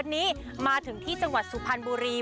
วันนี้มาถึงที่จังหวัดสุพรรณบุรี